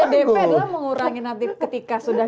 jadi dp adalah mengurangi nanti ketika sudah